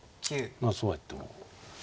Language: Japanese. まあそうは言ってもええ。